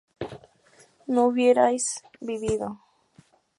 no hubierais vivido